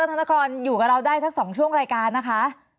ธนครอยู่กับเราได้สัก๒ช่วงรายการนะคะ